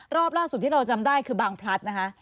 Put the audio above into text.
รอบล่าสุดที่เราจำได้คือบางพลัดนะคะ